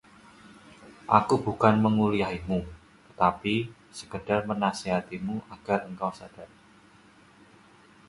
aku bukan menguliahimu, tetapi sekadar menasihatimu agar engkau sadar